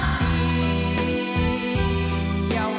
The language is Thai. ที่คิดถูกรู้